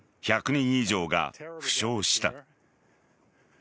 １００人以上が負傷した。